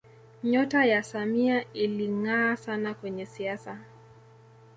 nyota ya samia ilingaa sana kwenye siasa